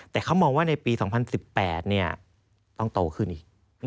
แต่เขามองว่าในปี๒๐๑๘ต้องโตขึ้นอีก